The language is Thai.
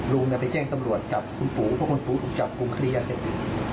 ลุงไปแจ้งสำรวจจับกุลภูพวกคนผู้ถูกจับกลุ่มคดียาเสพติด